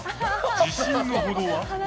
自信のほどは？